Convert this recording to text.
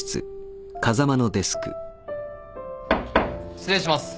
失礼します。